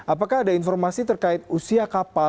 apakah ada informasi terkait usia kapal